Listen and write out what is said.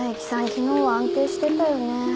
昨日は安定してたよね。